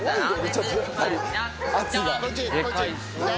ちょっとやっぱり圧が。